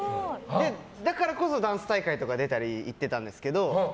だからこそダンス大会とか出たり行ってたんですけど。